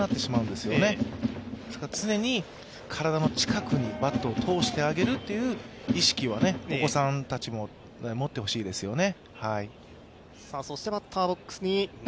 ですから、常に体の近くにバットを通してあげるという意識はお子さんたちも持ってほしいですよね。